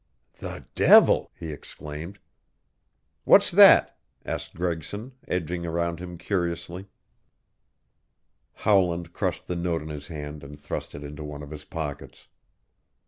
"The devil!" he exclaimed. "What's that?" asked Gregson, edging around him curiously. Howland crushed the note in his hand and thrust it into one of his pockets.